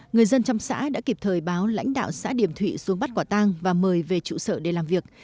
người dân trong xã đã kịp thời báo lãnh đạo xã điềm thụy xuống bắt quả tang và mời về trụ sở để làm việc